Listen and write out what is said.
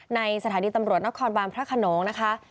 ในสถานีตำรวจนครบานพระขนงนะคะ